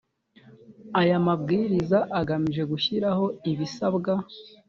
aya mabwiriza agamije gushyiraho ibisabwa